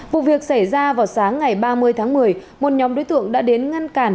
vụ việc xảy ra vào sáng ngày ba mươi tháng một mươi một nhóm đối tượng đã đến ngăn cản